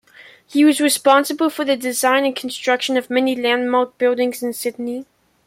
He was responsible for the design and construction of many landmark buildings in Sydney.